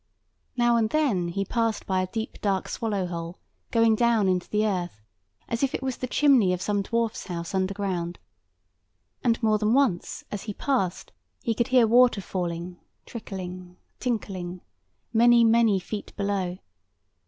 Now and then he passed by a deep dark swallow hole, going down into the earth, as if it was the chimney of some dwarfs house underground; and more than once, as he passed, he could hear water falling, trickling, tinkling, many many feet below.